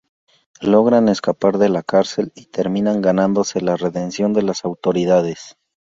Logran escapar de la cárcel y terminan ganándose la redención de las autoridades.